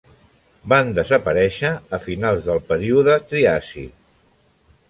Van desaparèixer a finals del període Triàsic.